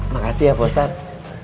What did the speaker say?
makasih ya pak ustadz